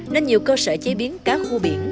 nên nhiều cơ sở chế biến cá khô biển